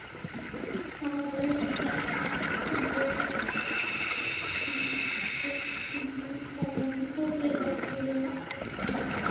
However, some tests also include human-assisted components - for example to judge model outputs.